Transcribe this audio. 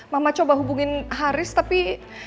mama coba hubungin haris tapi